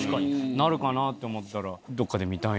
なるかなって思ったら。